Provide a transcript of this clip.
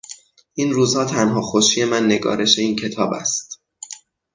این روزها تنها خوشی من نگارش این کتاب است.